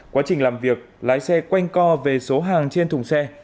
quá trình làm việc lái xe quanh co về số hàng trên thùng xe